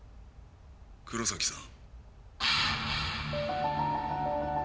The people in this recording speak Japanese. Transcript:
黒崎さん